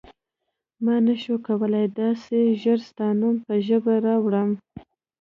ما نه شو کولای داسې ژر ستا نوم په ژبه راوړم.